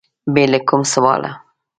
بې له کوم سواله